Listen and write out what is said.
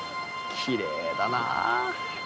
きれいだな！